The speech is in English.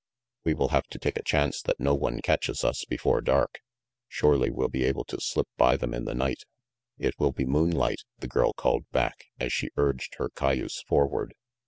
"We will have to take a chance that no one catches us before dark. Shorely we'll be able to slip by them in the night." "It will be moonlight," the girl called back, as she urged her cayuse forward.